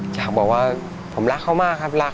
อยากบอกว่าผมรักเขามากครับรัก